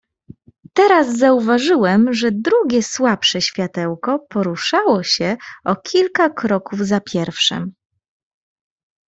"Teraz zauważyłem, że drugie, słabsze światełko poruszało się o kilka kroków za pierwszem."